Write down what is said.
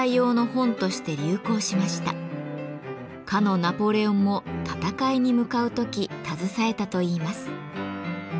かのナポレオンも戦いに向かう時携えたといいます。